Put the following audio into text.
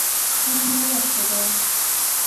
شپه ناوخته ده.